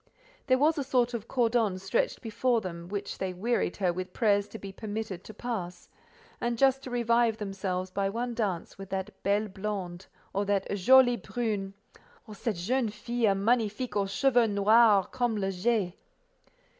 There was a sort of cordon stretched before them, which they wearied her with prayers to be permitted to pass, and just to revive themselves by one dance with that "belle blonde," or that "jolie brune," or "cette jeune fille magnifique aux cheveux noirs comme le jais."